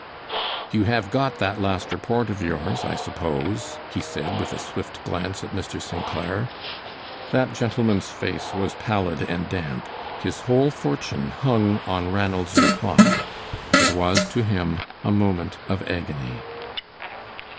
"You have got that last report of yours, I suppose," he said, with a swift glance at Mr. St. Clair. That gentleman's face was pallid and damp; his whole fortune hung on Ranald's reply. It was to him a moment of agony.